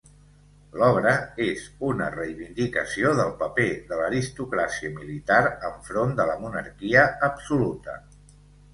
L'obra és una reivindicació del paper de l'aristocràcia militar enfront de la monarquia absoluta.